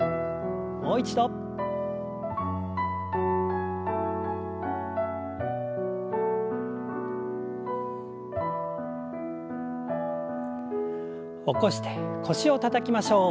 もう一度。起こして腰をたたきましょう。